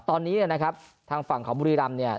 ตอนนี้เนี่ยนะครับทางฝั่งของบุรีรำเนี่ย